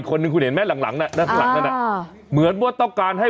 คนหนึ่งคุณเห็นแม่หลังนั้นอ่ะเหมือนว่าต้องการให้